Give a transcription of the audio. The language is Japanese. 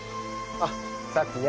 あっさっきね。